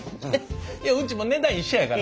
うちもう値段一緒やから。